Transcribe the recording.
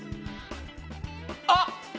あっ！